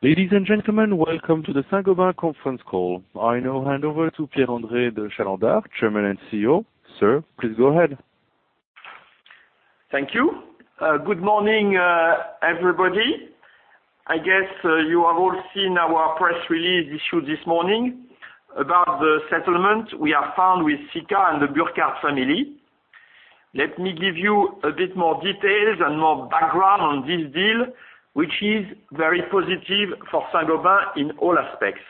Ladies and gentlemen, welcome to the Saint-Gobain conference call. I now hand over to Pierre-André de Chalendar, Chairman and CEO. Sir, please go ahead. Thank you. Good morning, everybody. I guess you have all seen our press release issued this morning about the settlement we have found with Sika and the Burkard family. Let me give you a bit more details and more background on this deal, which is very positive for Saint-Gobain in all aspects.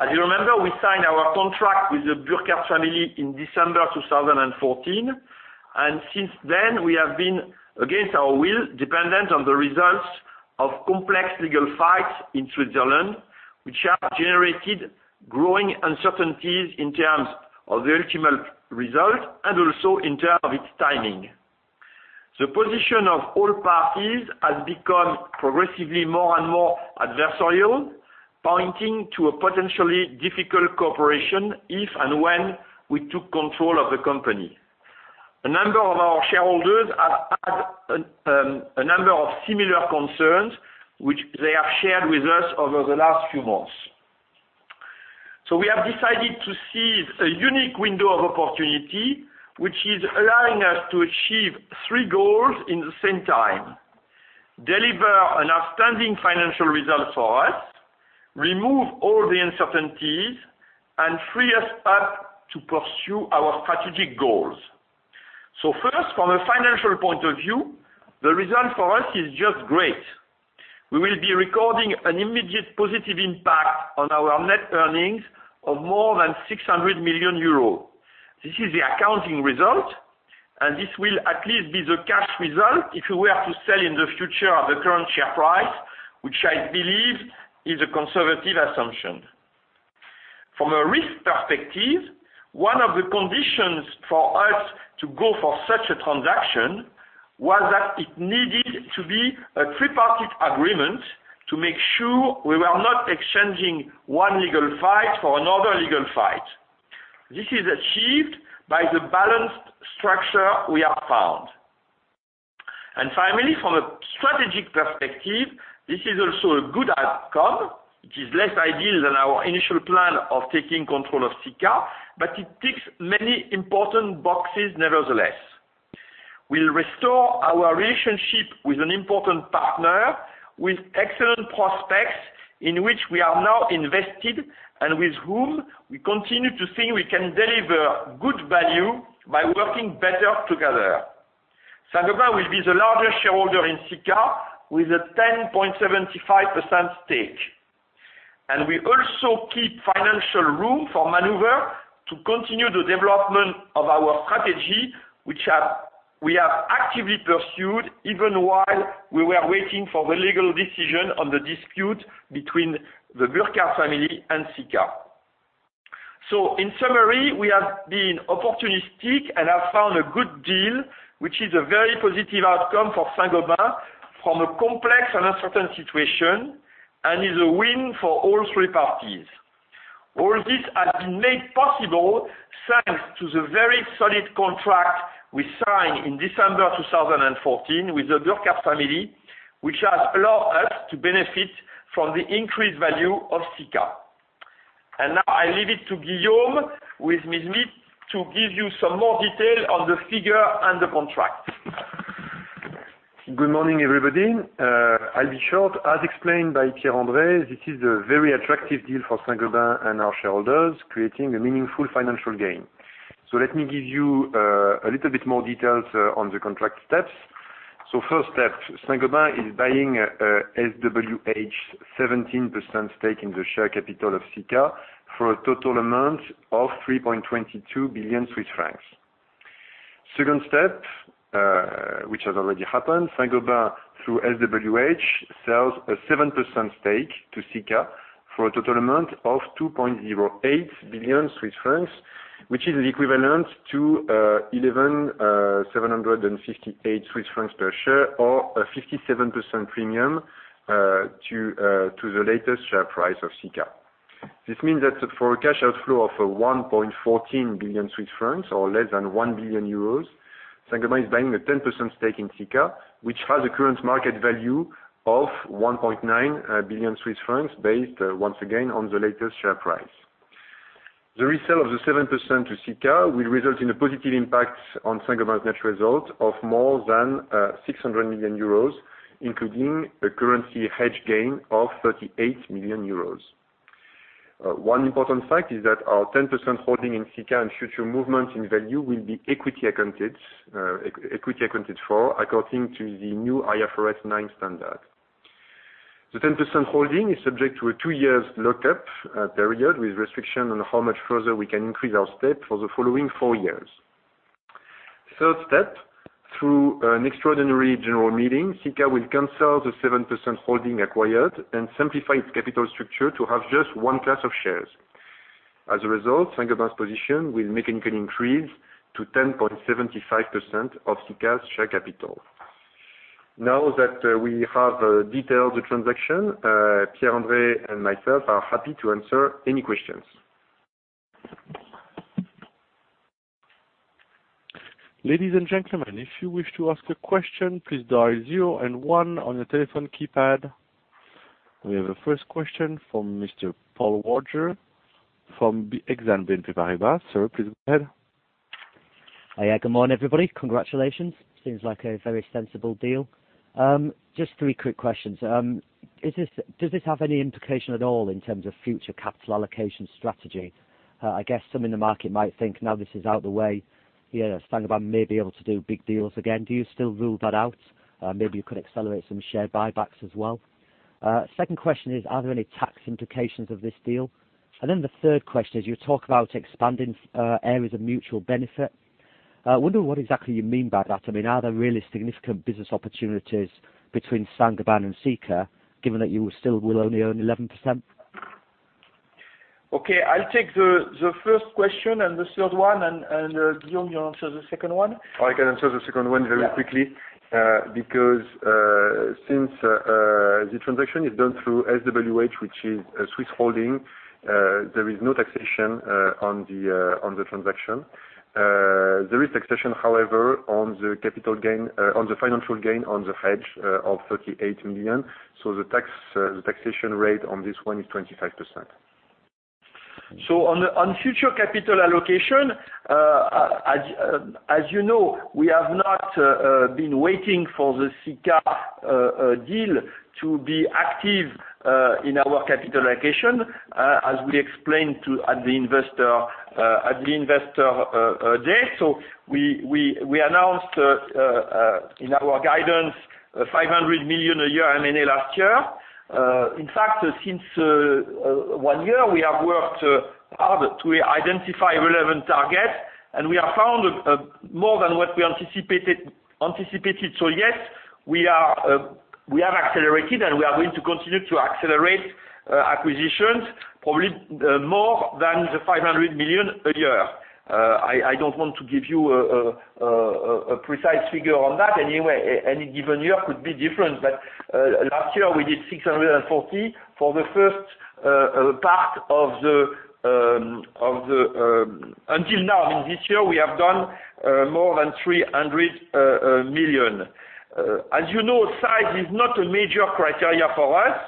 As you remember, we signed our contract with the Burkard family in December 2014, and since then, we have been, against our will, dependent on the results of complex legal fights in Switzerland, which have generated growing uncertainties in terms of the ultimate result and also in terms of its timing. The position of all parties has become progressively more and more adversarial, pointing to a potentially difficult cooperation if and when we took control of the company. A number of our shareholders have had a number of similar concerns which they have shared with us over the last few months. We have decided to seize a unique window of opportunity, which is allowing us to achieve three goals at the same time: deliver an outstanding financial result for us, remove all the uncertainties, and free us up to pursue our strategic goals. First, from a financial point of view, the result for us is just great. We will be recording an immediate positive impact on our net earnings of more than 600 million euros. This is the accounting result, and this will at least be the cash result if we were to sell in the future at the current share price, which I believe is a conservative assumption. From a risk perspective, one of the conditions for us to go for such a transaction was that it needed to be a tripartite agreement to make sure we were not exchanging one legal fight for another legal fight. This is achieved by the balanced structure we have found. Finally, from a strategic perspective, this is also a good outcome. It is less ideal than our initial plan of taking control of Sika, but it ticks many important boxes nevertheless. We'll restore our relationship with an important partner with excellent prospects in which we are now invested and with whom we continue to think we can deliver good value by working better together. Saint-Gobain will be the largest shareholder in Sika with a 10.75% stake. We also keep financial room for maneuver to continue the development of our strategy, which we have actively pursued even while we were waiting for the legal decision on the dispute between the Burkard family and Sika. In summary, we have been opportunistic and have found a good deal, which is a very positive outcome for Saint-Gobain from a complex and uncertain situation and is a win for all three parties. All this has been made possible thanks to the very solid contract we signed in December 2014 with the Burkard family, which has allowed us to benefit from the increased value of Sika. I leave it to Guillaume, who is with me, to give you some more detail on the figure and the contract. Good morning, everybody. I'll be short. As explained by Pierre-André, this is a very attractive deal for Saint-Gobain and our shareholders, creating a meaningful financial gain. Let me give you a little bit more details on the contract steps. First step, Saint-Gobain is buying SWH's 17% stake in the share capital of Sika for a total amount of 3.22 billion Swiss francs. Second step, which has already happened, Saint-Gobain through SWH sells a 7% stake to Sika for a total amount of 2.08 billion Swiss francs, which is the equivalent to 11,758 Swiss francs per share or a 57% premium to the latest share price of Sika. This means that for a cash outflow of 1.14 billion Swiss francs or less than 1 billion euros, Saint-Gobain is buying a 10% stake in Sika, which has a current market value of 1.9 billion Swiss francs based, once again, on the latest share price. The resale of the 7% to Sika will result in a positive impact on Saint-Gobain's net result of more than 600 million euros, including a currency hedge gain of 38 million euros. One important fact is that our 10% holding in Sika and future movements in value will be equity accounted for according to the new IFRS 9 standard. The 10% holding is subject to a two-year lock-up period with restriction on how much further we can increase our stake for the following four years. Third step, through an extraordinary general meeting, Sika will cancel the 7% holding acquired and simplify its capital structure to have just one class of shares. As a result, Saint-Gobain's position will mechanically increase to 10.75% of Sika's share capital. Now that we have detailed the transaction, Pierre-André and myself are happy to answer any questions. Ladies and gentlemen, if you wish to ask a question, please dial zero and one on your telephone keypad. We have a first question from Mr. Paul Roger from BNP Paribas. Sir, please go ahead. Yeah, good morning, everybody. Congratulations. Seems like a very sensible deal. Just three quick questions. Does this have any implication at all in terms of future capital allocation strategy? I guess some in the market might think now this is out of the way, Saint-Gobain may be able to do big deals again. Do you still rule that out? Maybe you could accelerate some share buybacks as well. Second question is, are there any tax implications of this deal? The third question is, you talk about expanding areas of mutual benefit. I wonder what exactly you mean by that. I mean, are there really significant business opportunities between Saint-Gobain and Sika given that you still will only own 11%? Okay. I'll take the first question and the third one, and Guillaume, you answer the second one. I can answer the second one very quickly because since the transaction is done through SWH, which is a Swiss holding, there is no taxation on the transaction. There is taxation, however, on the capital gain, on the financial gain on the hedge of 38 million. The taxation rate on this one is 25%. On future capital allocation, as you know, we have not been waiting for the Sika deal to be active in our capital allocation, as we explained to the Investor Day. We announced in our guidance 500 million a year M&A last year. In fact, since one year, we have worked hard to identify relevant targets, and we have found more than what we anticipated. Yes, we have accelerated, and we are going to continue to accelerate acquisitions, probably more than the 500 million a year. I do not want to give you a precise figure on that. Any given year could be different. Last year, we did 640 million for the first part of the until now, I mean, this year, we have done more than 300 million. As you know, size is not a major criteria for us.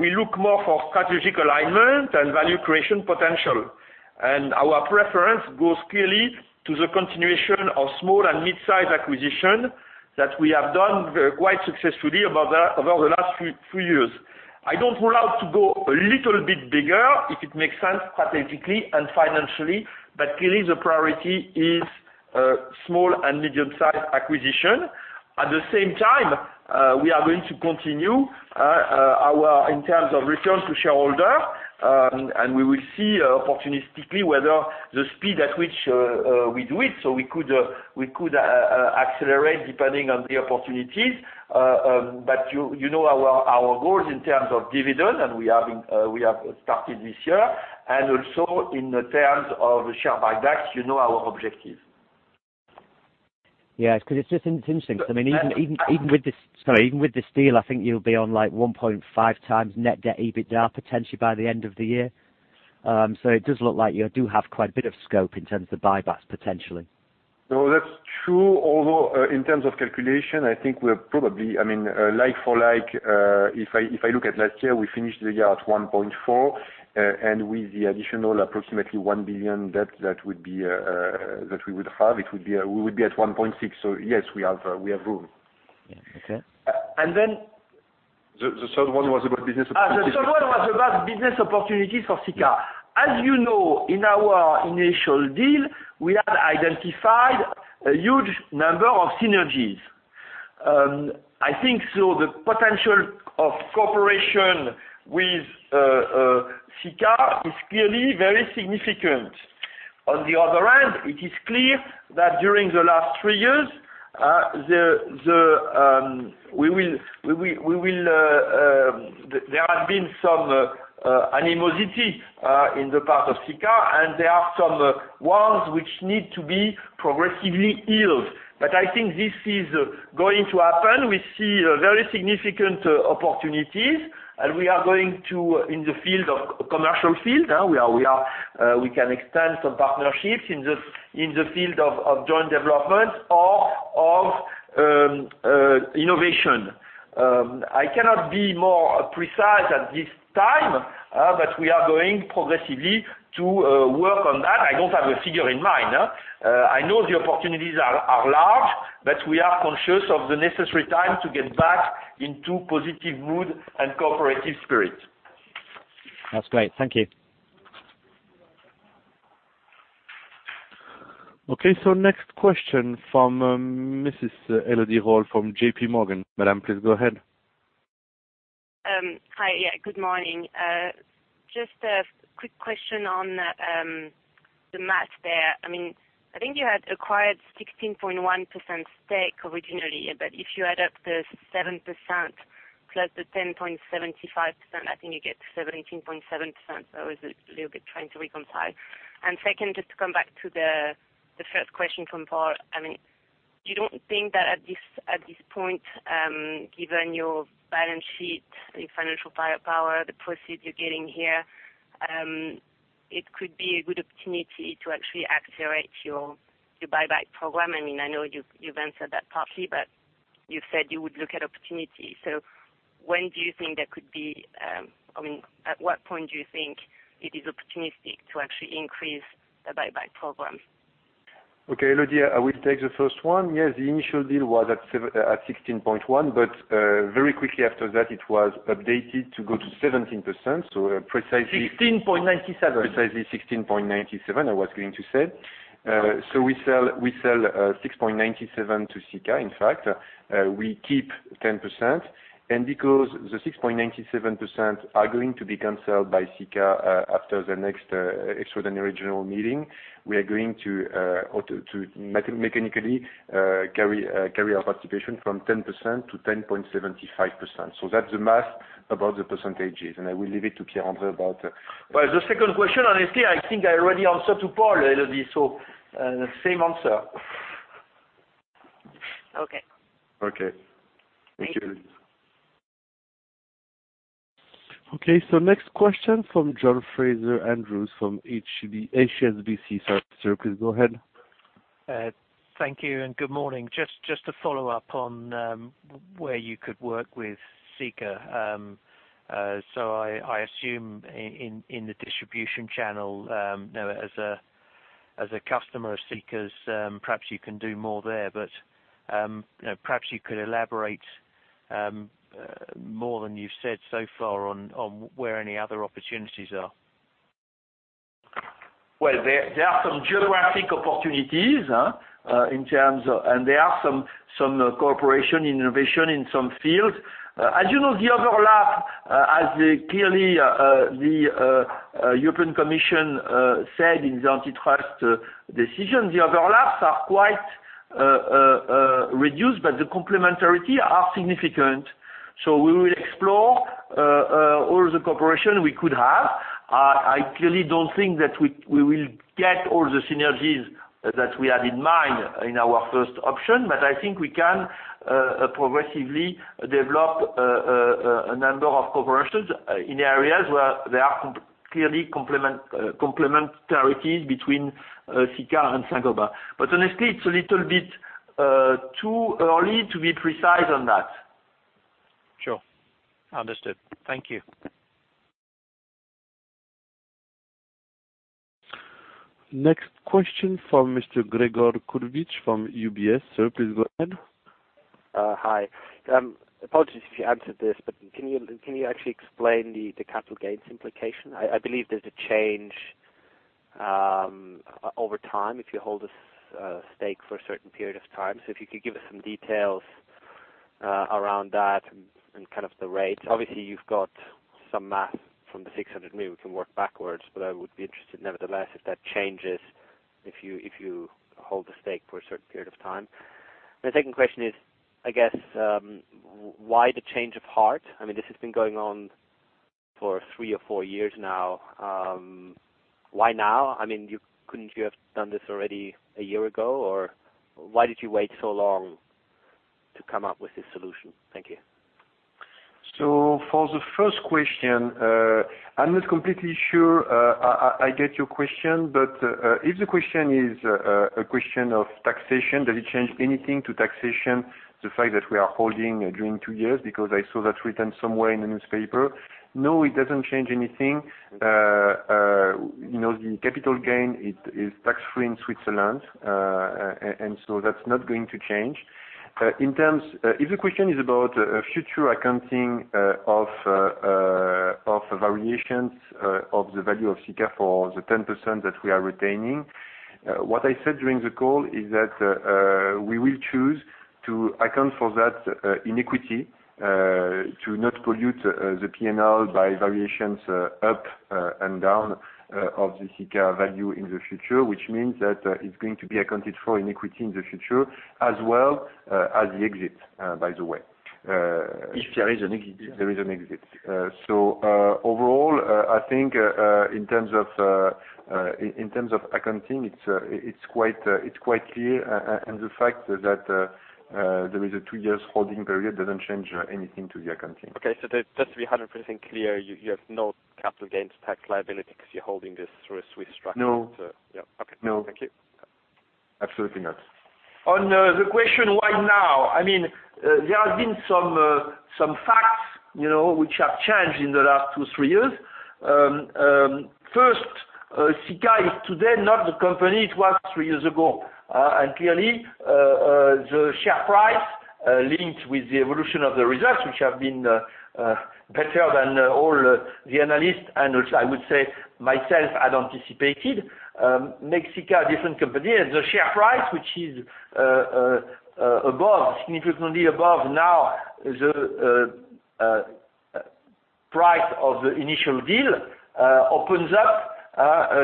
We look more for strategic alignment and value creation potential. Our preference goes clearly to the continuation of small and mid-size acquisitions that we have done quite successfully over the last few years. I do not rule out to go a little bit bigger if it makes sense strategically and financially, but clearly, the priority is small and medium-sized acquisition. At the same time, we are going to continue our return to shareholders, and we will see opportunistically whether the speed at which we do it. We could accelerate depending on the opportunities. You know our goals in terms of dividend, and we have started this year. Also in terms of share buybacks, you know our objective. Yeah, because it's interesting. Because I mean, even with this, sorry, even with this deal, I think you'll be on like 1.5 times Net Debt/EBITDA potentially by the end of the year. It does look like you do have quite a bit of scope in terms of the buybacks potentially. No, that's true. Although in terms of calculation, I think we're probably, I mean, like for like, if I look at last year, we finished the year at 1.4, and with the additional approximately 1 billion debt that we would have, we would be at 1.6. Yes, we have room. Yeah. Okay. The third one was about business opportunities. The third one was about business opportunities for Sika. As you know, in our initial deal, we had identified a huge number of synergies. I think so the potential of cooperation with Sika is clearly very significant. On the other hand, it is clear that during the last three years, there has been some animosity in the part of Sika, and there are some wounds which need to be progressively healed. I think this is going to happen. We see very significant opportunities, and we are going to, in the field of commercial field, we can extend some partnerships in the field of joint development or of innovation. I cannot be more precise at this time, but we are going progressively to work on that. I don't have a figure in mind. I know the opportunities are large, but we are conscious of the necessary time to get back into positive mood and cooperative spirit. That's great. Thank you. Okay. Next question from Mrs. Elodie Rall from JPMorgan. Madame, please go ahead. Hi. Yeah, good morning. Just a quick question on the math there. I mean, I think you had acquired a 16.1% stake originally, but if you add up the 7% plus the 10.75%, I think you get 17.7%. So I was a little bit trying to reconcile. And second, just to come back to the first question from Paul, I mean, you don't think that at this point, given your balance sheet and financial power, the proceeds you're getting here, it could be a good opportunity to actually accelerate your buyback program? I mean, I know you've answered that partly, but you've said you would look at opportunity. So when do you think there could be, I mean, at what point do you think it is opportunistic to actually increase the buyback program? Okay. Elodie, I will take the first one. Yes, the initial deal was at 16.1%, but very quickly after that, it was updated to go to 17%. So precisely. 16.97. Precisely 16.97%, I was going to say. We sell 6.97% to Sika, in fact. We keep 10%. Because the 6.97% are going to be canceled by Sika after the next extraordinary general meeting, we are going to mechanically carry our participation from 10% to 10.75%. That is the math about the percentages. I will leave it to Pierre-André about. The second question, honestly, I think I already answered to Paul, Elodie. So same answer. Okay. Okay. Thank you. Okay. Next question from John Fraser-Andrews from HSBC. Sir, please go ahead. Thank you. Good morning. Just to follow up on where you could work with Sika. I assume in the distribution channel, as a customer of Sika's, perhaps you can do more there. Perhaps you could elaborate more than you've said so far on where any other opportunities are. There are some geographic opportunities in terms of, and there are some cooperation innovation in some fields. As you know, the overlap, as clearly the European Commission said in the antitrust decision, the overlaps are quite reduced, but the complementarity are significant. We will explore all the cooperation we could have. I clearly don't think that we will get all the synergies that we had in mind in our first option, but I think we can progressively develop a number of cooperations in areas where there are clearly complementarities between Sika and Saint-Gobain. Honestly, it's a little bit too early to be precise on that. Sure. Understood. Thank you. Next question from Mr. Gregor Kuglitsch from UBS. Sir, please go ahead. Hi. Apologies if you answered this, but can you actually explain the capital gains implication? I believe there's a change over time if you hold a stake for a certain period of time. If you could give us some details around that and kind of the rates. Obviously, you've got some math from the 600 million. We can work backwards, but I would be interested nevertheless if that changes if you hold the stake for a certain period of time. My second question is, I guess, why the change of heart? I mean, this has been going on for three or four years now. Why now? I mean, couldn't you have done this already a year ago? Why did you wait so long to come up with this solution? Thank you. For the first question, I'm not completely sure I get your question, but if the question is a question of taxation, does it change anything to taxation the fact that we are holding during two years? Because I saw that written somewhere in the newspaper. No, it doesn't change anything. The capital gain, it is tax-free in Switzerland, and so that's not going to change. In terms if the question is about future accounting of variations of the value of Sika for the 10% that we are retaining, what I said during the call is that we will choose to account for that in equity to not pollute the P&L by variations up and down of the Sika value in the future, which means that it's going to be accounted for in equity in the future as well as the exit, by the way. If there is an exit. If there is an exit. Overall, I think in terms of accounting, it's quite clear, and the fact that there is a two-year holding period doesn't change anything to the accounting. Okay. Just to be 100% clear, you have no capital gains tax liability because you're holding this through a Swiss structure? No. Yeah. Okay. Thank you. Absolutely not. On the question why now, I mean, there have been some facts which have changed in the last two, three years. First, Sika is today not the company it was three years ago. Clearly, the share price linked with the evolution of the results, which have been better than all the analysts, and I would say myself had anticipated, makes Sika a different company. The share price, which is significantly above now the price of the initial deal, opens up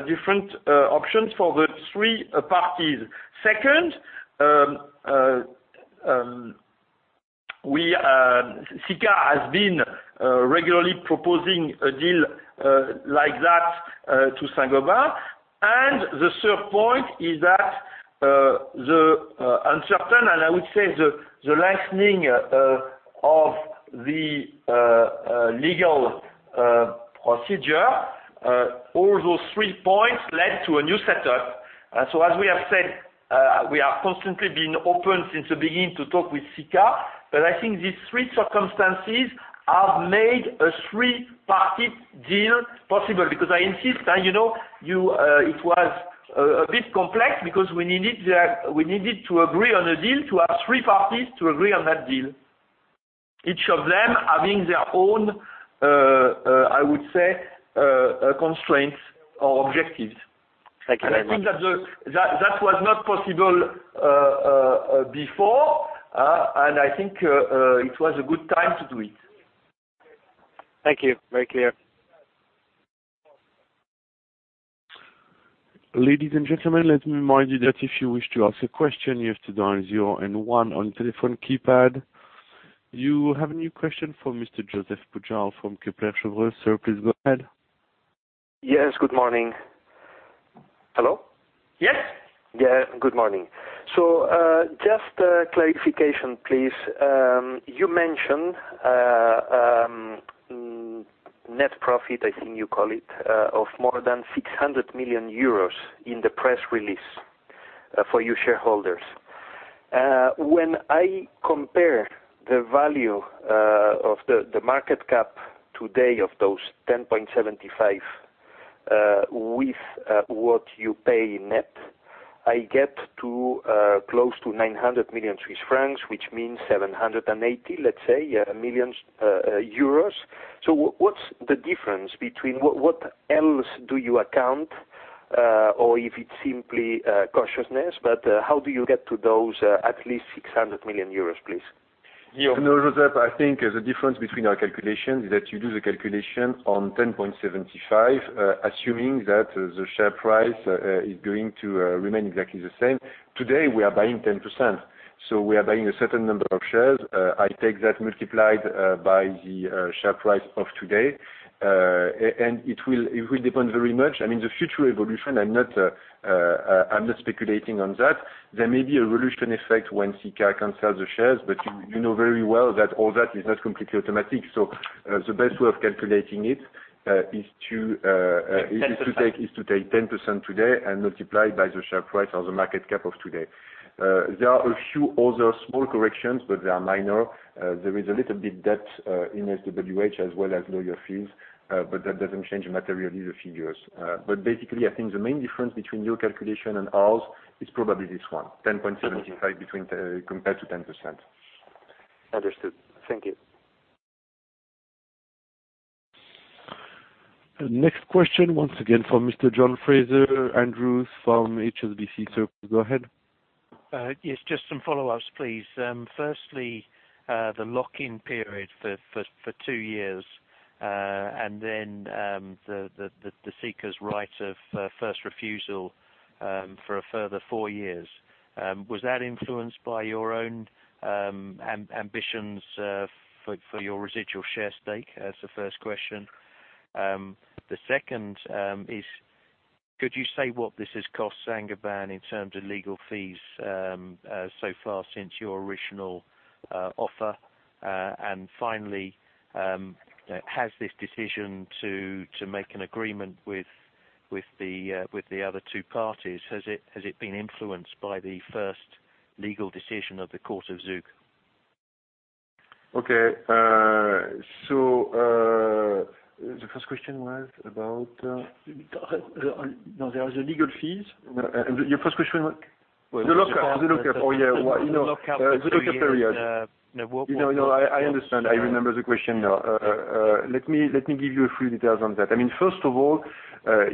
different options for the three parties. Second, Sika has been regularly proposing a deal like that to Saint-Gobain. The third point is that the uncertain, and I would say the lengthening of the legal procedure, all those three points led to a new setup. As we have said, we have constantly been open since the beginning to talk with Sika. I think these three circumstances have made a three-party deal possible. Because I insist, it was a bit complex because we needed to agree on a deal to have three parties to agree on that deal, each of them having their own, I would say, constraints or objectives. Thank you very much. I think that was not possible before, and I think it was a good time to do it. Thank you. Very clear. Ladies and gentlemen, let me remind you that if you wish to ask a question, you have to dial zero and one on the telephone keypad. You have a new question for Mr. Josep Pujal from Kepler Cheuvreux. Sir, please go ahead. Yes. Good morning. Hello? Yes. Yeah. Good morning. Just clarification, please. You mentioned net profit, I think you call it, of more than 600 million euros in the press release for your shareholders. When I compare the value of the market cap today of those 10.75% with what you pay net, I get close to 900 million Swiss francs, which means 780 million, let's say. What's the difference between what else do you account, or is it simply cautiousness? How do you get to those at least 600 million euros, please? Yeah. No, Josep, I think the difference between our calculations is that you do the calculation on 10.75%, assuming that the share price is going to remain exactly the same. Today, we are buying 10%. So we are buying a certain number of shares. I take that multiplied by the share price of today, and it will depend very much. I mean, the future evolution, I'm not speculating on that. There may be a revolution effect when Sika cancels the shares, but you know very well that all that is not completely automatic. The best way of calculating it is to take 10% today and multiply by the share price or the market cap of today. There are a few other small corrections, but they are minor. There is a little bit debt in SWH as well as lawyer fees, but that doesn't change materially the figures. I think the main difference between your calculation and ours is probably this one, 10.75% compared to 10%. Understood. Thank you. Next question, once again, from Mr. John Fraser-Andrews from HSBC. Sir, please go ahead. Yes. Just some follow-ups, please. Firstly, the lock-up period for two years, and then Sika's right of first refusal for a further four years. Was that influenced by your own ambitions for your residual share stake? That's the first question. The second is, could you say what this has cost Saint-Gobain in terms of legal fees so far since your original offer? Finally, has this decision to make an agreement with the other two parties, has it been influenced by the first legal decision of the Court of Zug? Okay. The first question was about. No, there are the legal fees. Your first question was. The lock-up. The lock-up. Oh, yeah. The lock-up. The lock-up period. No, I understand. I remember the question. Let me give you a few details on that. I mean, first of all, I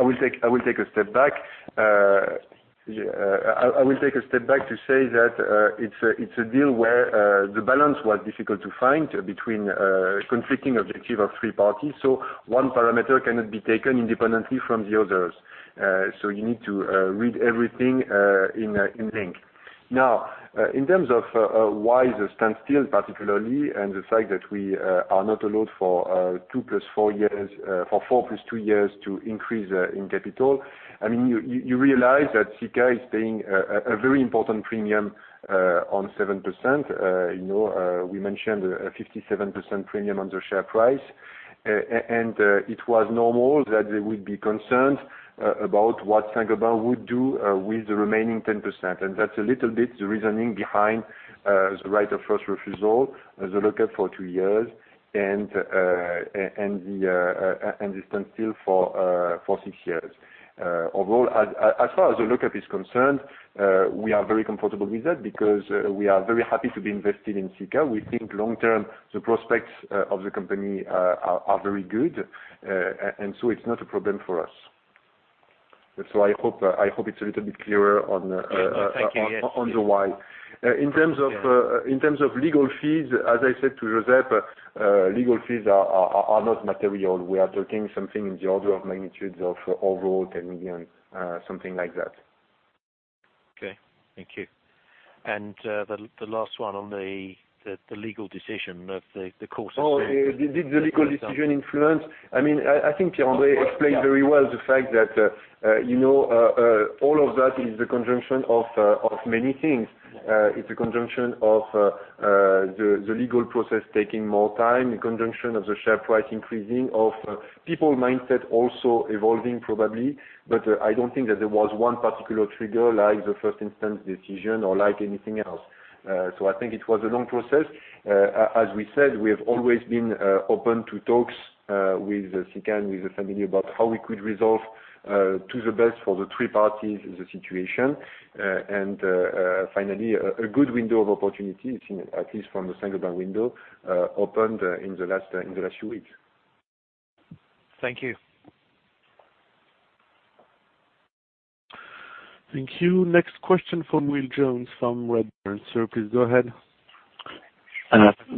will take a step back. I will take a step back to say that it's a deal where the balance was difficult to find between conflicting objectives of three parties. So one parameter cannot be taken independently from the others. You need to read everything in link. Now, in terms of why the standstill particularly and the fact that we are not allowed for four plus two years to increase in capital, I mean, you realize that Sika is paying a very important premium on 7%. We mentioned a 57% premium on the share price, and it was normal that they would be concerned about what Saint-Gobain would do with the remaining 10%. That's a little bit the reasoning behind the right of first refusal, the lock-up for two years, and the standstill for six years. Overall, as far as the lock-up is concerned, we are very comfortable with that because we are very happy to be invested in Sika. We think long-term the prospects of the company are very good, and it is not a problem for us. I hope it is a little bit clearer on the why. In terms of legal fees, as I said to Josep, legal fees are not material. We are talking something in the order of magnitudes of overall 10 million, something like that. Okay. Thank you. The last one on the legal decision of the court's decision. Oh, did the legal decision influence? I mean, I think Pierre-André explained very well the fact that all of that is the conjunction of many things. It's a conjunction of the legal process taking more time, the conjunction of the share price increasing, of people's mindset also evolving probably. I don't think that there was one particular trigger like the first instance decision or like anything else. I think it was a long process. As we said, we have always been open to talks with Sika and with the family about how we could resolve to the best for the three parties the situation. Finally, a good window of opportunity, at least from the Saint-Gobain window, opened in the last few weeks. Thank you. Thank you. Next question from Will Jones from Redburn Partners. Sir, please go ahead.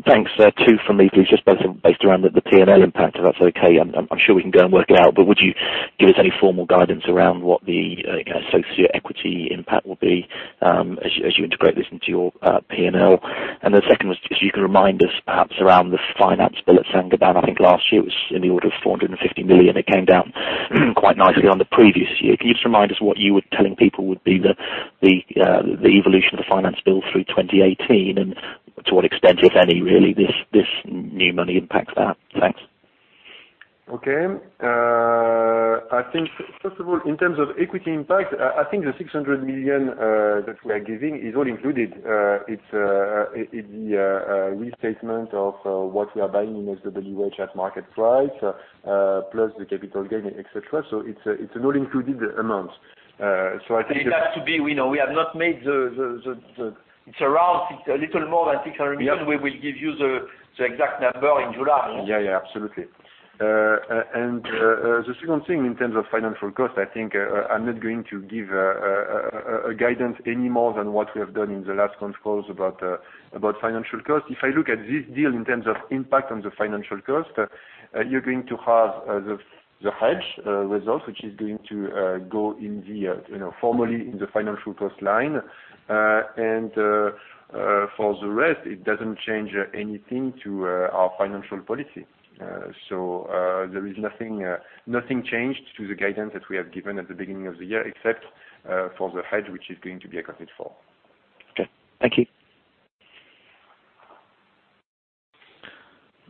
Thanks. Two from me, please. Just based around the P&L impact, if that's okay. I'm sure we can go and work it out, but would you give us any formal guidance around what the associate equity impact will be as you integrate this into your P&L? The second was just you can remind us perhaps around the finance bill at Saint-Gobain. I think last year it was in the order of 450 million. It came down quite nicely on the previous year. Can you just remind us what you were telling people would be the evolution of the finance bill through 2018, and to what extent, if any, really, this new money impacts that? Thanks. Okay. I think, first of all, in terms of equity impact, I think the 600 million that we are giving is all included. It is the restatement of what we are buying in SWH at market price, plus the capital gain, etc. It is an all-included amount. I think. It has to be we have not made the it's around a little more than 600 million. We will give you the exact number in July. Yeah, yeah. Absolutely. The second thing in terms of financial cost, I think I'm not going to give a guidance any more than what we have done in the last controls about financial cost. If I look at this deal in terms of impact on the financial cost, you're going to have the hedge result, which is going to go formally in the financial cost line. For the rest, it doesn't change anything to our financial policy. There is nothing changed to the guidance that we have given at the beginning of the year, except for the hedge, which is going to be accounted for. Okay. Thank you.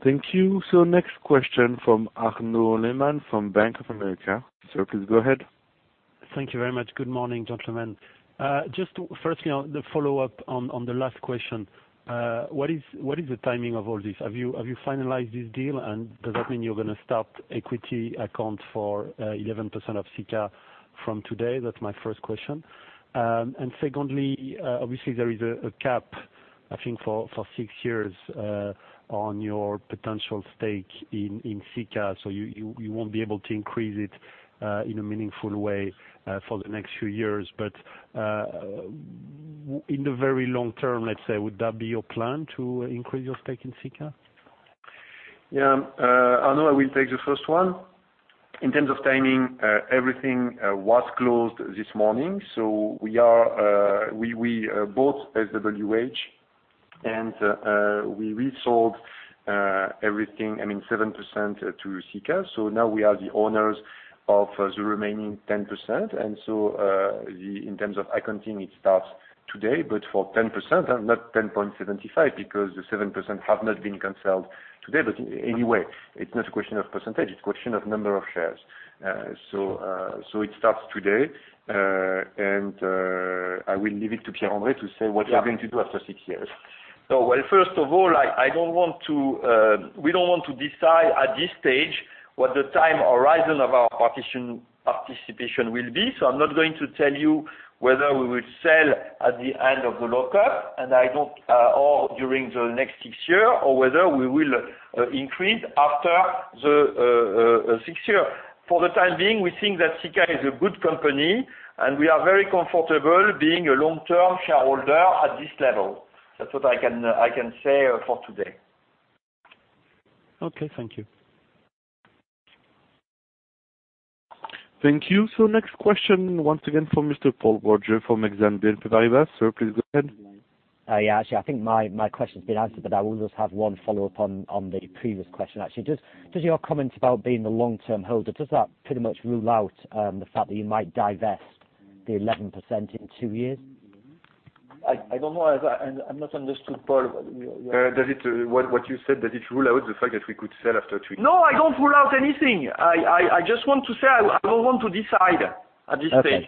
Thank you. Next question from Arnaud Lehmann from Bank of America. Sir, please go ahead. Thank you very much. Good morning, gentlemen. Just firstly, the follow-up on the last question. What is the timing of all this? Have you finalized this deal, and does that mean you're going to start equity account for 11% of Sika from today? That's my first question. Secondly, obviously, there is a cap, I think, for six years on your potential stake in Sika. You won't be able to increase it in a meaningful way for the next few years. In the very long term, let's say, would that be your plan to increase your stake in Sika? Yeah. Arnaud, I will take the first one. In terms of timing, everything was closed this morning. We bought SWH, and we resold everything, I mean, 7% to Sika. Now we are the owners of the remaining 10%. In terms of accounting, it starts today, but for 10%, not 10.75%, because the 7% have not been canceled today. Anyway, it's not a question of percentage. It's a question of number of shares. It starts today, and I will leave it to Pierre-André to say what we're going to do after six years. First of all, I don't want to we don't want to decide at this stage what the time horizon of our participation will be. I'm not going to tell you whether we will sell at the end of the lock-up or during the next six years, or whether we will increase after the six years. For the time being, we think that Sika is a good company, and we are very comfortable being a long-term shareholder at this level. That's what I can say for today. Okay. Thank you. Thank you. Next question, once again, from Mr. Paul Roger from Exane BNP Paribas. Sir, please go ahead. Yeah. Actually, I think my question's been answered, but I will just have one follow-up on the previous question. Actually, does your comment about being the long-term holder, does that pretty much rule out the fact that you might divest the 11% in two years? I don't know. I'm not understood, Paul. What you said, does it rule out the fact that we could sell after two years? No, I don't rule out anything. I just want to say I don't want to decide at this stage.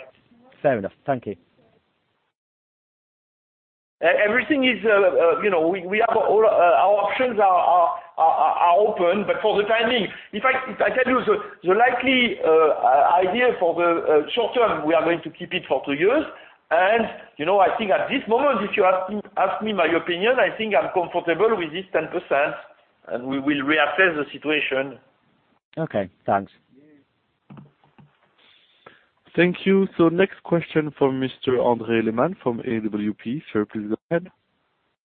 Fair enough. Thank you. Everything is we have our options are open, but for the timing, if I tell you the likely idea for the short term, we are going to keep it for two years. I think at this moment, if you ask me my opinion, I think I'm comfortable with this 10%, and we will reassess the situation. Okay. Thanks. Thank you. Next question from Mr. André Lehmann from AWP. Sir, please go ahead.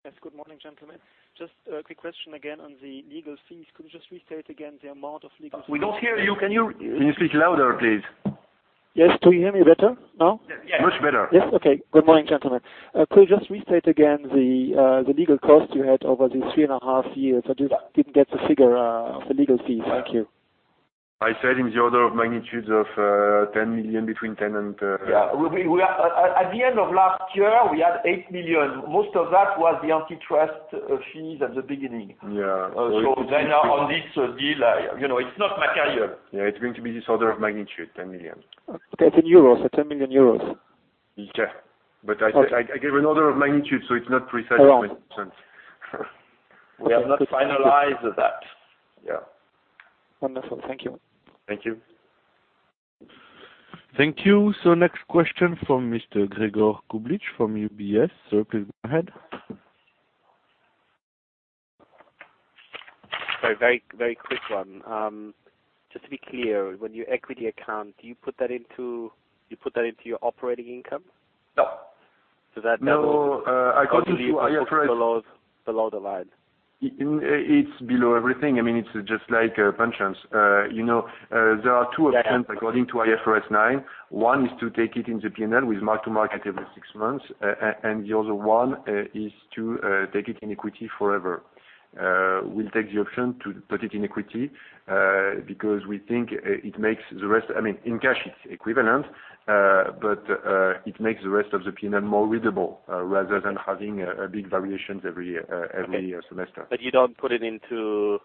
Yes. Good morning, gentlemen. Just a quick question again on the legal fees. Could you just restate again the amount of legal fees? We do not hear you. Can you speak louder, please? Yes. Can you hear me better now? Yes. Much better. Yes. Okay. Good morning, gentlemen. Could you just restate again the legal cost you had over these three and a half years? I just did not get the figure of the legal fees. Thank you. I said in the order of magnitudes of 10 million, between 10 and. Yeah. At the end of last year, we had 8 million. Most of that was the antitrust fees at the beginning. Yeah. On this deal, it's not material. Yeah. It's going to be this order of magnitude, 10 million. Okay. 10 euros. 10 million euros. Okay. I gave an order of magnitude, so it's not precise 20%. We have not finalized that. Yeah. Wonderful. Thank you. Thank you. Thank you. Next question from Mr. Gregor Kuglitsch from UBS. Sir, please go ahead. Sorry. Very quick one. Just to be clear, when you equity account, do you put that into your operating income? No. That doesn't according to IFRS? Or just below the line? It's below everything. I mean, it's just like pensions. There are two options according to IFRS 9. One is to take it in the P&L with mark-to-market every six months, and the other one is to take it in equity forever. We'll take the option to put it in equity because we think it makes the rest, I mean, in cash, it's equivalent, but it makes the rest of the P&L more readable rather than having big variations every semester. You don't put it into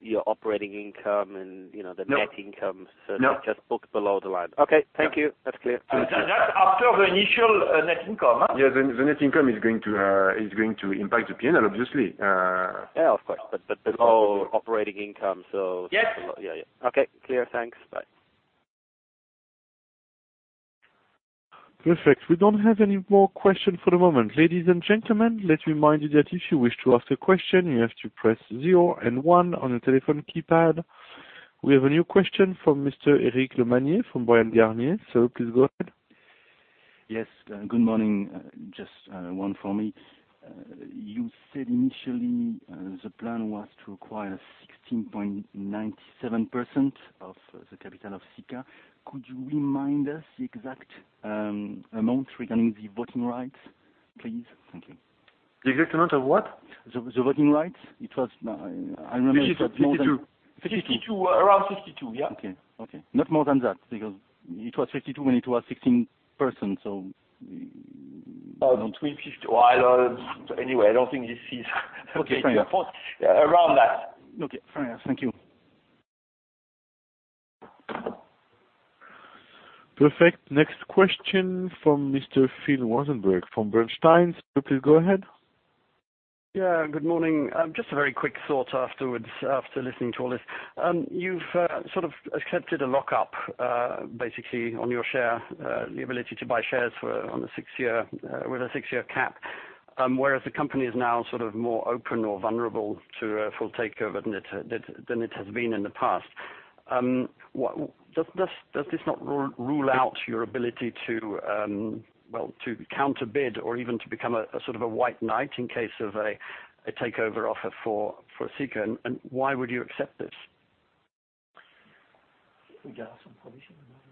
your operating income and the net income. No. It's just booked below the line. Okay. Thank you. That's clear. That's after the initial net income, huh? Yeah. The net income is going to impact the P&L, obviously. Yeah. Of course. Below operating income, so. Yes. Yeah. Yeah. Okay. Clear. Thanks. Bye. Perfect. We do not have any more questions for the moment. Ladies and gentlemen, let me remind you that if you wish to ask a question, you have to press zero and one on the telephone keypad. We have a new question from Mr. Eric Lemarié from Bryan, Garnier. Sir, please go ahead. Yes. Good morning. Just one for me. You said initially the plan was to acquire 16.97% of the capital of Sika. Could you remind us the exact amount regarding the voting rights, please? Thank you. The exact amount of what? The voting rights. I remember that. 52. 52. 52. 52. Around 52. Yeah. Okay. Okay. Not more than that because it was 52 when it was 16%, so. Oh, 250. Anyway, I don't think he sees. Okay. Fair enough. Around that. Okay. Fair enough. Thank you. Perfect. Next question from Mr. Phil Roseberg from Bernstein. Sir, please go ahead. Yeah. Good morning. Just a very quick thought afterwards after listening to all this. You've sort of accepted a lock-up, basically, on your share, the ability to buy shares with a six-year cap, whereas the company is now sort of more open or vulnerable to a full takeover than it has been in the past. Does this not rule out your ability to, well, to counterbid or even to become a sort of a white knight in case of a takeover offer for Sika? And why would you accept this?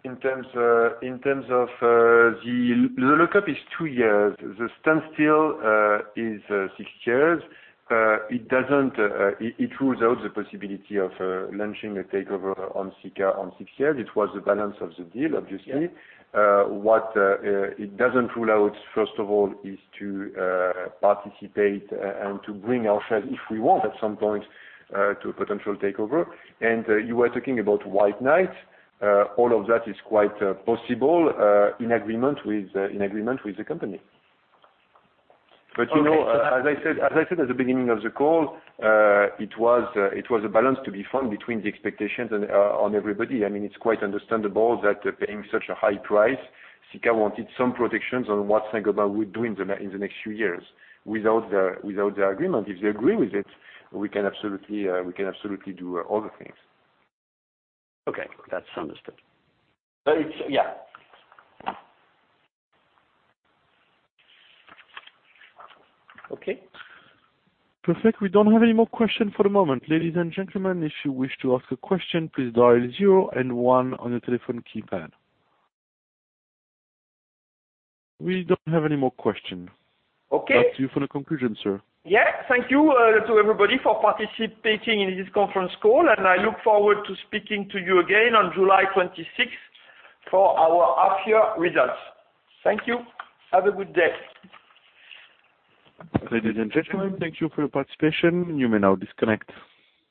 In terms of the lock-up, it is two years. The standstill is six years. It rules out the possibility of launching a takeover on Sika for six years. It was the balance of the deal, obviously. What it does not rule out, first of all, is to participate and to bring our shares, if we want at some point, to a potential takeover. You were talking about white knight. All of that is quite possible in agreement with the company. As I said at the beginning of the call, it was a balance to be found between the expectations on everybody. I mean, it is quite understandable that paying such a high price, Sika wanted some protections on what Saint-Gobain would do in the next few years without their agreement. If they agree with it, we can absolutely do other things. Okay. That's understood. Yeah. Okay. Perfect. We don't have any more questions for the moment. Ladies and gentlemen, if you wish to ask a question, please dial zero and one on the telephone keypad. We don't have any more questions. Okay. Back to you for the conclusion, sir. Yeah. Thank you to everybody for participating in this conference call, and I look forward to speaking to you again on July 26th for our half-year results. Thank you. Have a good day. Ladies and gentlemen, thank you for your participation. You may now disconnect.